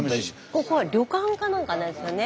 ここは旅館かなんかなんですよね。